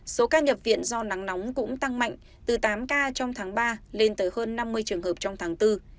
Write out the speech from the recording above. số ca nhập viện do nắng nóng cũng tăng mạnh từ tám ca trong tháng ba lên tới hơn năm mươi trường hợp trong tháng bốn